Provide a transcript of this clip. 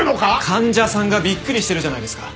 患者さんがびっくりしてるじゃないですか。